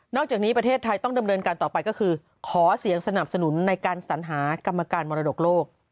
จากนี้ประเทศไทยต้องดำเนินการต่อไปก็คือขอเสียงสนับสนุนในการสัญหากรรมการมรดกโลก